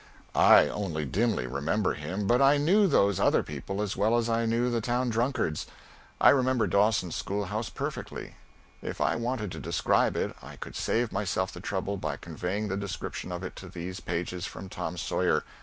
I only dimly remember him, but I knew those other people as well as I knew the town drunkards. I remember Dawson's schoolhouse perfectly. If I wanted to describe it I could save myself the trouble by conveying the description of it to these pages from "Tom Sawyer."